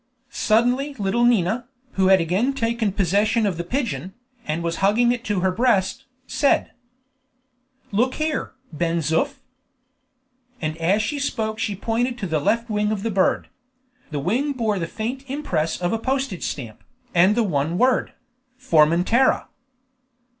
Suddenly little Nina, who had again taken possession of the pigeon, and was hugging it to her breast, said: "Look here, Ben Zoof!" And as she spoke she pointed to the left wing of the bird. The wing bore the faint impress of a postage stamp, and the one word: "FORMENTERA."